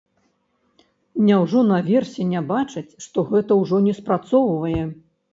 Няўжо наверсе не бачаць, што гэта ўжо не спрацоўвае?